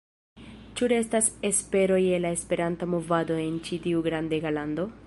Ĉu restas espero je la Esperanta movado en ĉi tiu grandega lando?